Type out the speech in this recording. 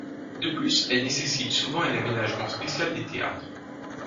De plus, elles nécessitent souvent un aménagement spécial des théâtres.